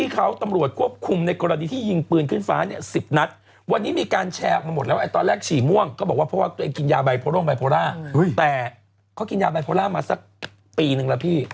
ก็บอกว่าเพราะว่าตัวเองกินยาไบโพล่าแต่เขากินยาไบโพล่ามาสักปีหนึ่งแล้วพี่